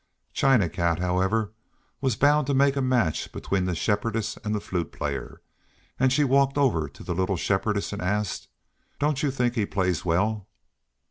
China Cat, however, was bound to make a match between the Shepherdess and the Flute Player, and she walked over to the little Shepherdess and asked, "Don't you think that he plays well?"